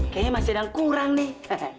kayaknya masih sedang kurang nih